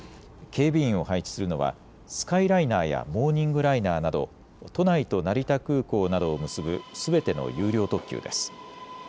警備員を配置するのはスカイライナーやモーニングライナーなど都内と成田空港などを結ぶすべての有料特急です。